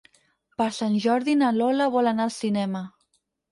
Per Sant Jordi na Lola vol anar al cinema.